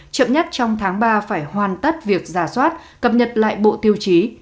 chậm nhất trong tháng ba phải hoàn tất việc giả soát cập nhật lại bộ tiêu chí